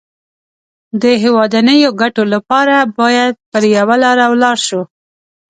د هېوادنيو ګټو لپاره بايد پر يوه لاره ولاړ شو.